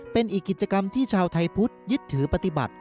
เป็นอีกกิจกรรมที่ชาวไทยพุทธยึดถือปฏิบัติ